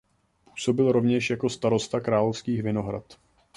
Působil rovněž jako starosta Královských Vinohrad.